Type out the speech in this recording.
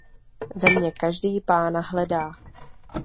Ve mně každý pána hledá.